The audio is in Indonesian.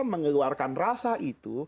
mengeluarkan rasa itu